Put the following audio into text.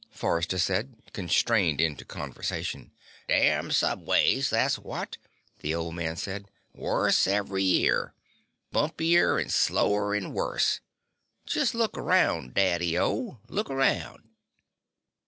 Forrester said, constrained into conversation. "Damn subways, that's what," the old man said. "Worse every year. Bumpier and slower and worse. Just look around, Daddy O. Look around."